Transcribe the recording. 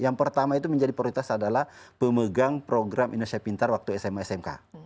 yang pertama itu menjadi prioritas adalah pemegang program indonesia pintar waktu sma smk